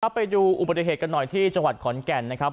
ไปดูอุบัติเหตุกันหน่อยที่จังหวัดขอนแก่นนะครับ